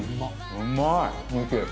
うまい！